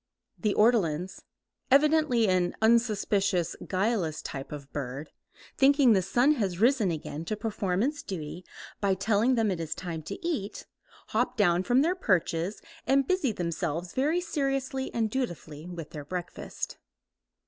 The ortolans, evidently an unsuspicious, guileless type of bird, thinking the sun has risen again to perform its duty by telling them it is time to eat, hop down from their perches and busy themselves very seriously and dutifully with their breakfast.